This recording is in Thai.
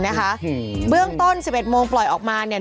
นะคะอืมเบื้องต้นสิบเอ็ดโมงปล่อยออกมาเนี่ย